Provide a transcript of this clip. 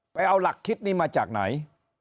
ไปเอาหลักคิดนี้มาจากไหน